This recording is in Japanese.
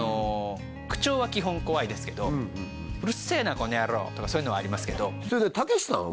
口調は基本怖いですけど「うるっせえなこのやろう」とかそういうのはありますけどそれたけしさん？